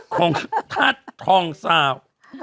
ฮ่าทัศน์ทองซาว